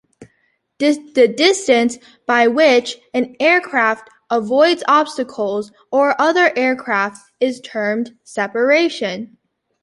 The distance by which an aircraft avoids obstacles or other aircraft is termed "separation".